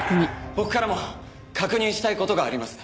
僕からも確認したい事があります。